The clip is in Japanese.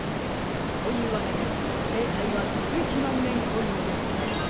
というわけでせいかいは１１まんねんコインです。